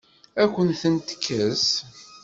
Ad akent-ten-tekkes?